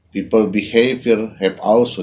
perangkat orang juga berubah